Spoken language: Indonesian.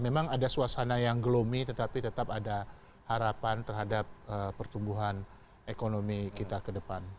memang ada suasana yang gelomi tetapi tetap ada harapan terhadap pertumbuhan ekonomi kita ke depan